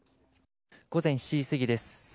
午前７時過ぎです。